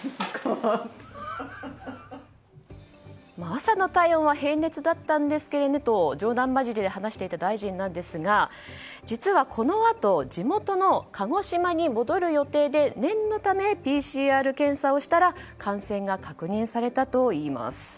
朝の体温は平熱だったんですけどねと冗談交じりで話していた大臣なんですが実はこのあと地元の鹿児島に戻る予定で念のためＰＣＲ検査をしたら感染が確認されたといいます。